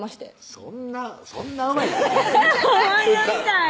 そんなそんなうまいこといく？